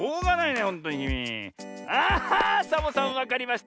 サボさんわかりました。